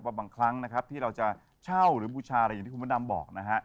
บางครั้งนะครับที่เราจะเช่าหรือบูชาอะไรอย่างที่คุณพระดำบอกนะฮะ